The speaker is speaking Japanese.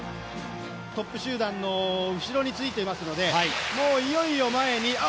トップ集団の後ろについていますので、いよいよ前に。